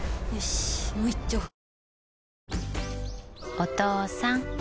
お父さん。